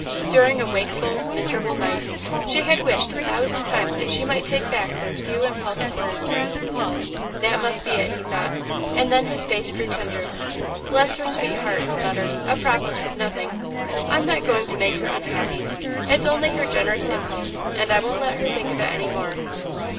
During a wakeful, miserable night, she had wished a thousand times that she might take back those few impulsive words. "That must be it," he thought, and then his face grew tender. "Bless her sweet heart," he muttered, apropos of nothing, "I'm not going to make her unhappy. It's only her generous impulse, and I won't let her think it's any more."